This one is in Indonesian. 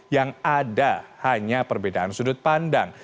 yang ada hanya perbedaan sudut pandang